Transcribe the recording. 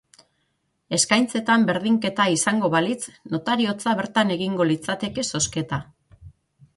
Eskaintzetan berdinketa izango balitz notariotza bertan egingo litzateke zozketa.